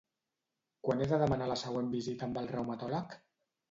Quan he de demanar la següent visita amb el reumatòleg?